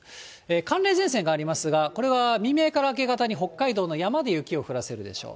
寒冷前線がありますが、これは未明から明け方に北海道の山で雪を降らせるでしょう。